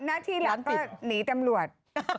หน้าที่หลังจะหนีตำรวจ